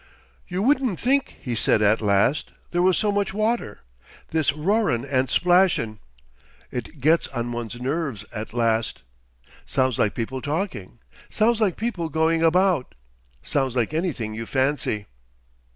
"You wouldn't think," he said at last, "there was so much water.... This roarin' and splashin', it gets on one's nerves at last.... Sounds like people talking.... Sounds like people going about.... Sounds like anything you fancy."